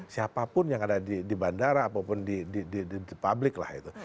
siapapun yang ada di bandara apapun di publik lah itu